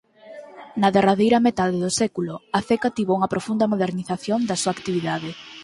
Na derradeira metade do século a ceca tivo unha profunda modernización da súa actividade.